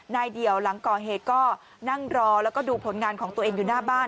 เดี่ยวหลังก่อเหตุก็นั่งรอแล้วก็ดูผลงานของตัวเองอยู่หน้าบ้าน